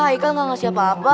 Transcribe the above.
ikan gak ngasih apa apa